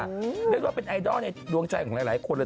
เรียกว่าเป็นไอดอลในดวงใจของหลายคนเลย